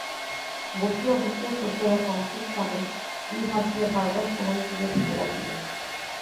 বসিয়া বসিয়া শয্যার এক অংশের চাদর দুই হাত দিয়া বারবার সমান করিয়া দিতে লাগিল।